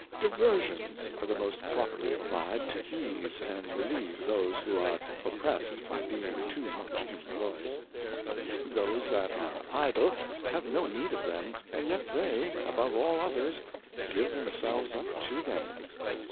Diversions are the most properly applied to ease and relieve those who are Oppressed by being Jpp much imployed. Those^ that are Idle have no need of them, and yet they, above all others, give themselves up to them.